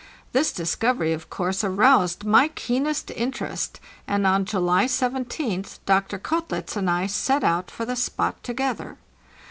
This discovery, of course, aroused my keenest interest, and on July 17th Dr. Koetlitz and I set out for the spot together.